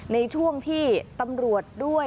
ในช่วงที่ตำรวจด้วย